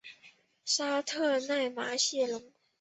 沙特奈马谢龙。